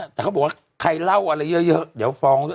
แต่เขาบอกว่าใครเล่าอะไรเยอะเดี๋ยวฟ้องด้วย